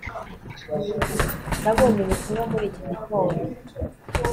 nabonye ubutumwa muri iki gitondo